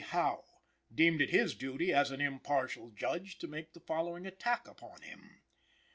Howe deemed it his duty as an impartial judge to make the following attack upon him.